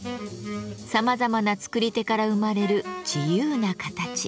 さまざまな作り手から生まれる自由な形。